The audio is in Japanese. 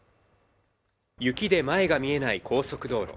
雪で前が見えない高速道路。